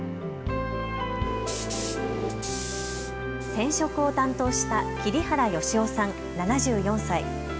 染色を担当した桐原義雄さん、７４歳。